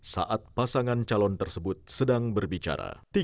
saat pasangan calon tersebut sedang berbicara